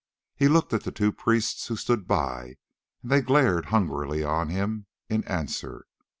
He looked at the two priests who stood by, and they glared hungrily on him in answer.